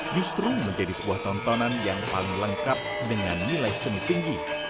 justru menjadi sebuah tontonan yang paling lengkap dengan nilai seni tinggi